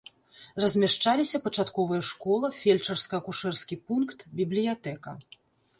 Размяшчаліся пачатковая школа, фельчарска-акушэрскі пункт, бібліятэка.